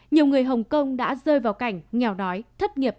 nhiều người hồng kông đã rơi vào cảnh nghèo đói thất nghiệp